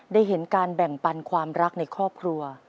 ได้เห็นการแบ่งปันความรักในครอบครัว